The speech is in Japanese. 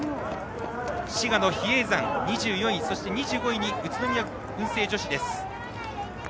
滋賀の比叡山が２４位そして２５位に宇都宮文星女子。